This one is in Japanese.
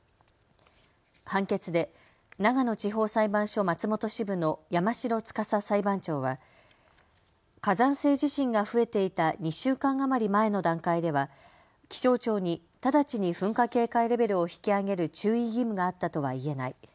判決で長野地方裁判所松本支部の山城司裁判長は火山性地震が増えていた２週間余り前の段階では気象庁に直ちに噴火警戒レベルを引き上げる注意義務があったとは言えない。